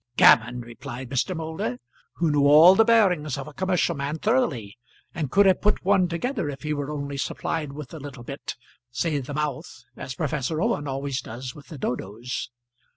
"Gammon!" replied Mr. Moulder, who knew all the bearings of a commercial man thoroughly, and could have put one together if he were only supplied with a little bit say the mouth, as Professor Owen always does with the Dodoes.